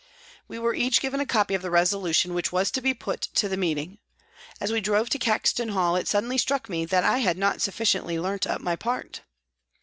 We were each given a copy of the resolution which was to be put to the meeting. As we drove to Caxton Hall, it suddenly struck me that I had not sufficiently learnt up my part.